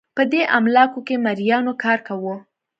په دې املاکو کې مریانو کار کاوه.